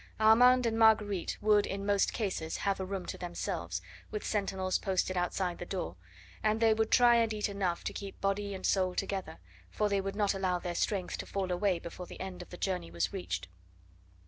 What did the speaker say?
Armand and Marguerite would in most cases have a room to themselves, with sentinels posted outside the door, and they would try and eat enough to keep body and soul together, for they would not allow their strength to fall away before the end of the journey was reached.